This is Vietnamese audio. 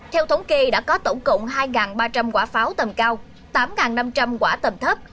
theo thống kê đã có tổng cộng hai ba trăm linh quả pháo tầm cao tám năm trăm linh quả tầm thấp